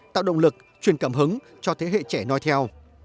tạo động lực truyền cảm hứng cho thế hệ trẻ nói theo